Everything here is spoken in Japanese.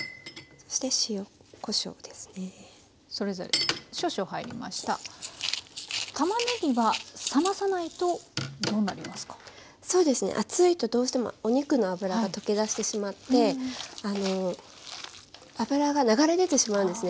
そうですね熱いとどうしてもお肉の脂が溶けだしてしまって脂が流れでてしまうんですね